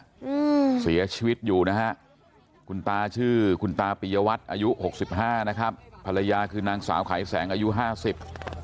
อืมเสียชีวิตอยู่นะฮะคุณตาชื่อคุณตาปริยวัตรอายุหกสิบห้านะครับ